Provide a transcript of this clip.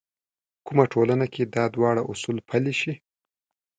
کومه ټولنه کې دا دواړه اصول پلي شي.